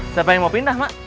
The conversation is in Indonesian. siapa yang mau pindah mak